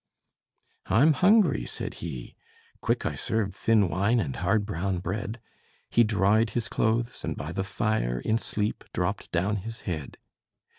"'I'm hungry,' said he: quick I served Thin wine and hard brown bread; He dried his clothes, and by the fire In sleep dropped down his head.